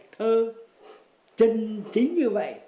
thơ chân trí như vậy